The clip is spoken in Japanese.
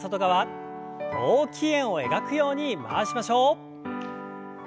大きい円を描くように回しましょう。